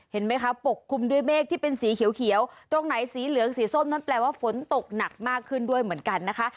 เห็นไหมคะปกคลุมด้วยเมฆที่เป็นสีเขียวตรงไหนสีเหลืองสีส้มนั้นแปลว่าฝนตกหนักมากขึ้นด้วยเหมือนกันนะคะ